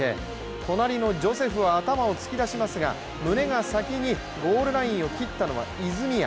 隣のジョセフは頭を突き出しますが胸が先にゴールラインを切ったのは泉谷。